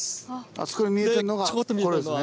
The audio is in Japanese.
あそこに見えてるのがこれですね。